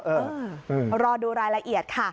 รอดูรายละเอียดค่ะ